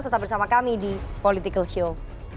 tetap bersama kami di political show